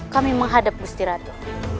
kami menghadap gusti rado